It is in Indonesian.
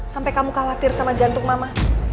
sampai kamu khawatir sama jantung mama